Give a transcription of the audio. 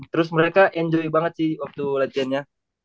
terus mereka enjoy banget sih waktu latihan nya